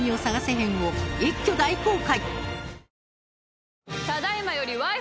編を一挙大公開。